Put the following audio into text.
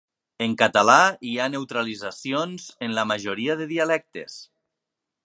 En català hi ha neutralitzacions en la majoria de dialectes.